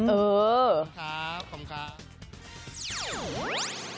เออขอบคุณครับขอบคุณครับ